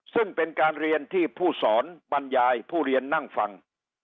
ซึ่งเป็นการเรียนที่ผู้สอนบรรยายผู้เรียนนั่งฟัง